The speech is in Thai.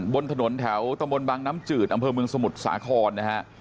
บนถนนแถวตำบลบังน้ำจืดอำเภอเมืองสมุทรสาครนะฮะ